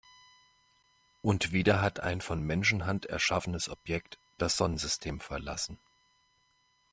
Und wieder hat ein von Menschenhand erschaffenes Objekt das Sonnensystem verlassen.